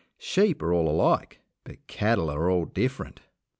Sheep are all alike, but cattle are all different.